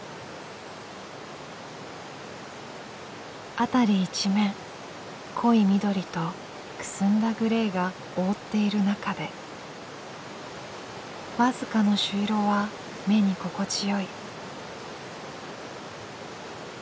「あたり一面濃い緑とくすんだグレーが覆っている中でわずかの朱色は目に心地よい」。